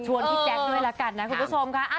พี่แจ๊คด้วยละกันนะคุณผู้ชมค่ะ